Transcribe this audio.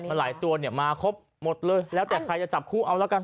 มันหลายตัวเนี่ยมาครบหมดเลยแล้วแต่ใครจะจับคู่เอาแล้วกัน